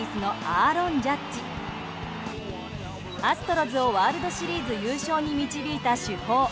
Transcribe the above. アストロズをワールドシリーズ優勝に導いた主砲